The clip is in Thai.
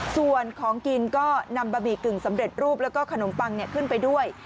ส่วนของกินก็นำบะหมี่กึ่งสำเร็จรูปแล้วก็ขนมปังขึ้นไปด้วย